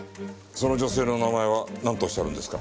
その女性の名前はなんとおっしゃるんですか？